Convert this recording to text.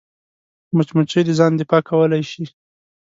مچمچۍ د ځان دفاع کولی شي